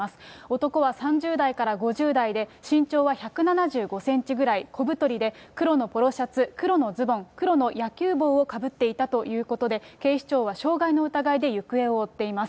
男は３０代から５０代で、身長は１７５センチくらい、小太りで、黒のポロシャツ、黒のズボン、黒の野球帽をかぶっていたということで、警視庁は傷害の疑いで行方を追っています。